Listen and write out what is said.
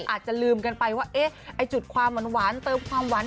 อาจจะลืมกันไปว่าเอ๊ะไอ้จุดความหวานเติมความหวาน